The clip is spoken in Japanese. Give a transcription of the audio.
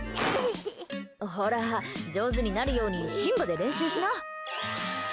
ほら上手になるようにシンバで練習しな！